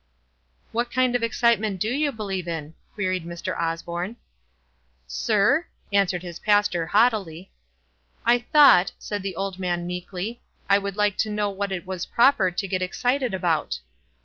"What kind of excitement do you believe in?" queried Mr. Osborne. "Sir?" answered his pastor, haughtily. "I thought," said the old man, meekly, "I would like to know what it was proper to get excited about."